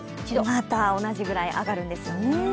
また同じくらい上がるんですよね。